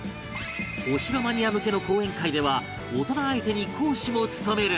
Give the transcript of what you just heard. お城マニア向けの講演会では大人相手に講師も務める